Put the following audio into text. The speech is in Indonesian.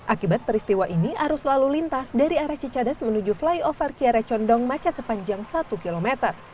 akibat peristiwa ini arus lalu lintas dari arah cicadas menuju flyover kiara condong macet sepanjang satu km